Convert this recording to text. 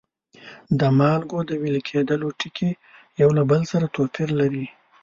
د مالګو د ویلي کیدو ټکي یو له بل سره توپیر لري.